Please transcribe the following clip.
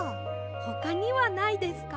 ほかにはないですか？